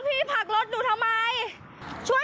มันทำรถหนูพังเนี่ย